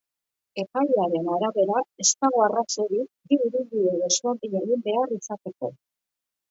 Epailearen arabera, ez dago arrazoirik bi ibilbide desberdin egin behar izateko.